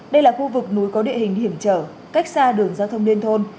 đây là khu vực núi có địa hình hiểm trở cách xa đường giao thông liên thôn